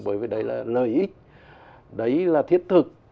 bởi vì đấy là lợi ích đấy là thiết thực